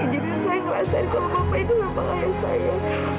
ingin saya ngerasain kalau bapak itu lupa kayak saya